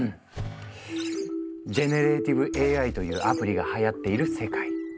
ジェネレーティブＡＩというアプリがはやっている世界。